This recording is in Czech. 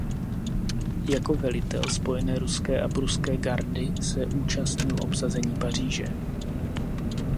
Jako velitel spojené ruské a pruské gardy se účastnil obsazení Paříže.